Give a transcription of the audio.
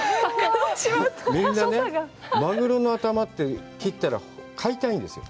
みんなね、マグロの頭って切ったら、買いたいんですよ。